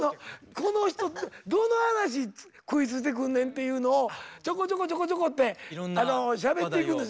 この人どの話食いついてくんねんっていうのをちょこちょこちょこちょこってしゃべっていくんですよ。